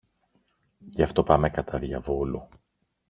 Γι' αυτό πάμε κατά διαβόλου.